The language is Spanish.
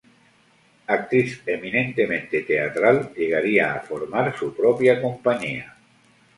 Actriz eminentemente teatral, llegaría a formar su propia Compañía.